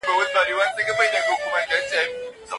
د پوهې په رڼا کي حقايق ليدل کيږي.